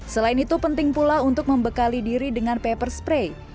selain itu penting pula untuk membekali diri dengan paper spray